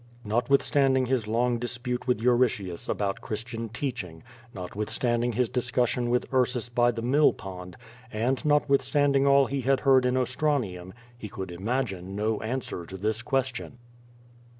Notwithstanding his long dispute with Euritius about Christian teaching, notwithstanding his discussion witli Ur sus by the mill pond, and notwithstanding all he had lieard in Ostranium, he could imagine no answer to this question.